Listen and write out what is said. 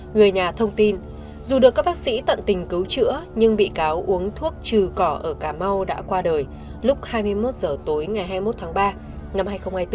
người nhà thông tin dù được các bác sĩ tận tình cứu chữa nhưng bị cáo uống thuốc trừ cỏ ở cà mau đã qua đời lúc hai mươi một h tối ngày hai mươi một tháng ba năm hai nghìn hai mươi bốn